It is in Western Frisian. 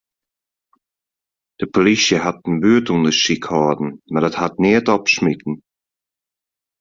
De polysje hat in buertûndersyk hâlden, mar dat hat neat opsmiten.